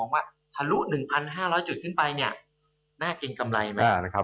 ว่าทะลุ๑๕๐๐จุดขึ้นไปเนี่ยน่ากินกำไรไหมนะครับ